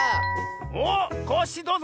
おっコッシーどうぞ！